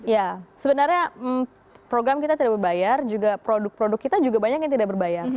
ya sebenarnya program kita tidak berbayar juga produk produk kita juga banyak yang tidak berbayar